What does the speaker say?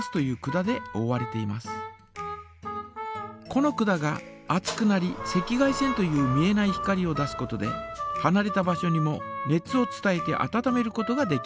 この管が熱くなり赤外線という見えない光を出すことではなれた場所にも熱を伝えてあたためることができます。